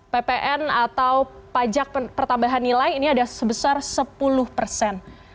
ppn atau pajak pertambahan nilai ini ada sebesar sepuluh persen